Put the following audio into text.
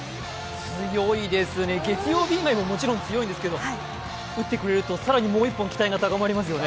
強いですね、月曜日以外ももちろん強いんですけど打ってくれると更にもう１本期待が高まりますよね。